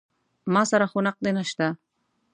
ما سره خو نقدې نه شته.